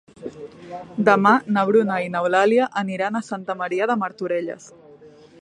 Demà na Bruna i n'Eulàlia aniran a Santa Maria de Martorelles.